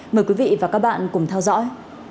mời quý vị và các bạn cùng theo dõi